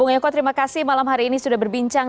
oke baik bung eko terima kasih malam hari ini sudah berbicara